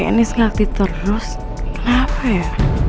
hape dns ngakti terus kenapa ya